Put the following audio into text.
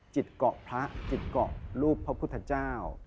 จิตเกาะพระจิตเกาะรูปพระพุทธเจ้า